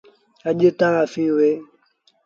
اڄ تا سيٚ اهي